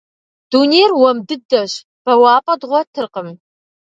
Дунейр уэм дыдэщ, бэуапӏэ дгъуэтыркъым.